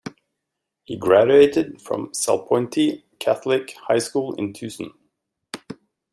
He graduated from Salpointe Catholic High School in Tucson.